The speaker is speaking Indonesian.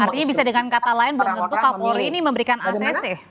artinya bisa dengan kata lain belum tentu kapolri ini memberikan acc